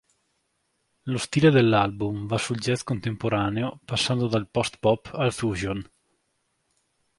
Lo stile dell'album va sul jazz contemporaneo, passando dal post-bop al fusion.